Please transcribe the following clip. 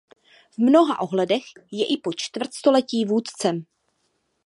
V mnoha ohledech je i po čtvrtstoletí vůdcem.